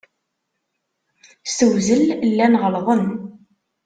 S tewzel, llan ɣelḍen.